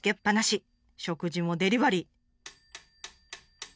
食事もデリバリー。